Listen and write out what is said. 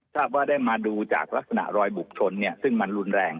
ทราบว่าได้มาดูจากลักษณะรอยบุกชนซึ่งมันรุนแรง